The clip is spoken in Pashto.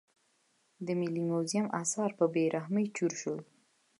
د ملي موزیم اثار په بې رحمۍ چور شول.